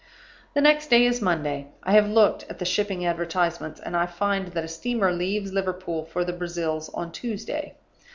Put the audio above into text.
"The next day is Monday. I have looked at the shipping advertisements, and I find that a steamer leaves Liverpool for the Brazils on Tuesday.